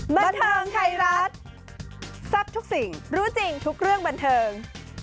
บันเทิงไทยรัฐทรัพย์ทุกสิ่งรู้จริงทุกเรื่องบันเทิง